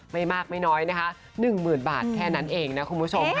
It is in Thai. ไม่มากไม่น้อยนะคะ๑๐๐๐บาทแค่นั้นเองนะคุณผู้ชมค่ะ